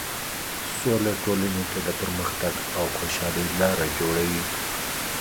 سوله ټولنې ته د پرمختګ او خوشحالۍ لاره جوړوي.